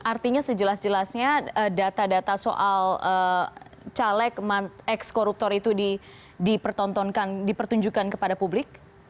artinya sejelas jelasnya data data soal caleg ex koruptor itu dipertunjukkan kepada publik